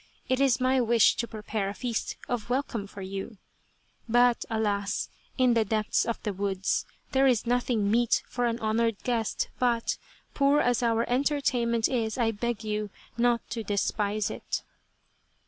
It is my wish to prepare a feast of welcome for you, but alas ! in the depths of the woods, there is nothing meet for an honoured guest, but, poor as our entertainment is, I beg you, not to despise it."